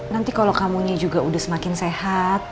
nanti kalau kamunya juga udah semakin sehat